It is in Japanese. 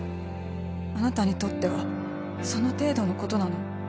あなたにとってはその程度のことなの？